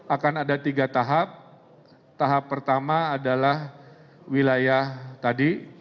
akan ada tiga tahap tahap pertama adalah wilayah tadi